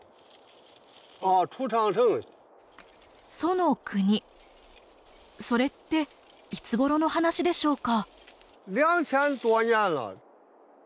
楚の国それっていつごろの話でしょうか？